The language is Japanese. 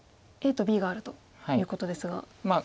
ＡとＢがあるということですが。